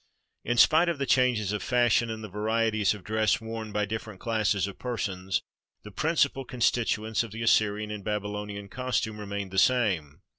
In spite of the changes of fashion and the varieties of dress worn by different classes of persons, the principal constituents of the Assyrian and Babylonian costume remained the same.